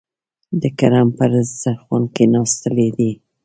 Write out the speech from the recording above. د کرم پر دسترخوان کېناستلي دي.